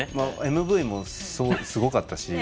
ＭＶもすごかったし。